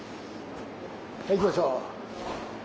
はいいきましょう。